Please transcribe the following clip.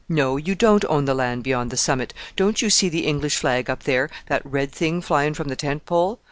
"No, you don't own the land beyond the summit. Don't you see the English flag up there that red thing flying from the tent pole?